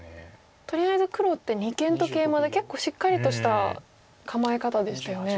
とりあえず黒って二間とケイマで結構しっかりとした構え方でしたよね。